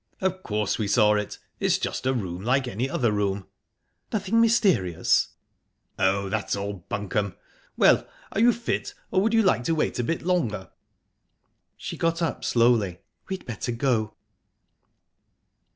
"Of course we saw it. It's just a room like any other room." "Nothing mysterious?" "Oh, that's all bunkum!...Well are you fit, or would you like to wait a bit longer?" She got up slowly. "We'd better go."